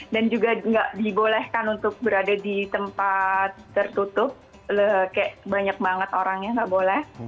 dan juga gak dibolehkan untuk berada di tempat tertutup kayak banyak banget orangnya gak boleh